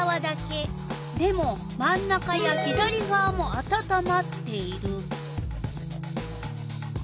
でも真ん中や左がわもあたたまっている。